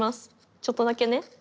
ちょっとだけね。